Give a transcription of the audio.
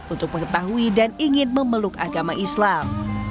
untuk mengetahui dan ingin memeluk agama islam